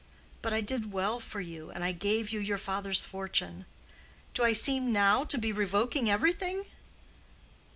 But I did well for you, and I gave you your father's fortune. Do I seem now to be revoking everything?